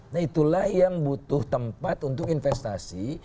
nah itulah yang butuh tempat untuk investasi